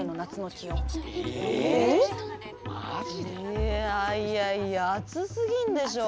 いやいやいや暑すぎんでしょ。